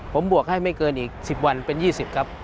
ผมบวกให้ไม่เกินอีก๑๐วันเป็น๒๐ครับ